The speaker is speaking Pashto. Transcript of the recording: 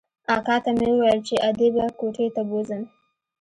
اکا ته مې وويل چې ادې به کوټې ته بوځم.